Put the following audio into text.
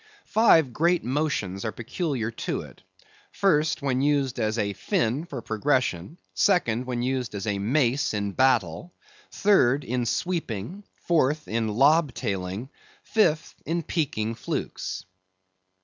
Five great motions are peculiar to it. First, when used as a fin for progression; Second, when used as a mace in battle; Third, in sweeping; Fourth, in lobtailing; Fifth, in peaking flukes.